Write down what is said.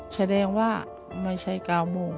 แสดงว่าไม่ใช่๙โมง